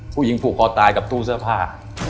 ผู้หญิงผูกคอตายกับตู้เสื้อผ้า